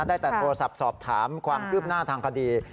ได้แต่โทรศัพท์สอบถามความคืบหน้าทางคดี